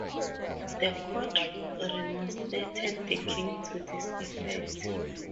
The court remonstrated the King to this effect.